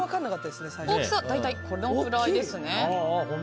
大きさ、大体これくらいですね。